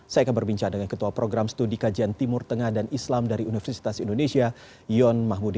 saya akan berbincang dengan ketua program studi kajian timur tengah dan islam dari universitas indonesia yon mahmudi